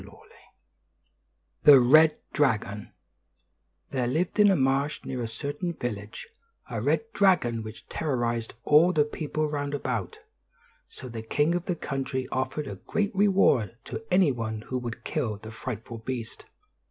XVI THE RED DRAGON THERE lived in a marsh near a certain village, a red dragon which terrorized all the people round about; so the king of the country offered a great reward to any one who would kill the frightful beast.